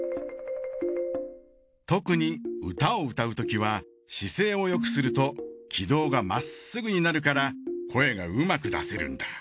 特に歌を歌うときは姿勢をよくすると気道がまっすぐになるから声がうまく出せるんだ。